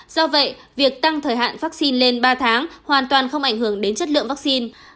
do vậy việc tăng thời hạn vaccine lên ba tháng hoàn toàn không ảnh hưởng đến chất lượng vaccine